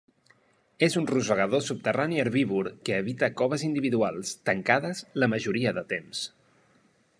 És un rosegador subterrani herbívor que habita coves individuals, tancades la majoria de temps.